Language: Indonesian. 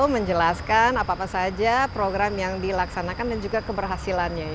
menjelaskan apa apa saja program yang dilaksanakan dan juga keberhasilannya